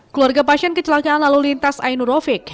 keluarga pasien kecelakaan lalu lintas ainurofik